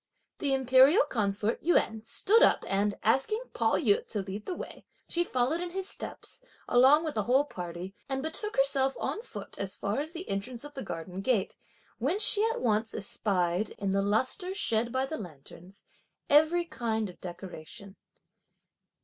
The imperial consort Yuan stood up and asking Pao yü to lead the way, she followed in his steps, along with the whole party, and betook herself on foot as far as the entrance of the garden gate, whence she at once espied, in the lustre shed by the lanterns, every kind of decorations.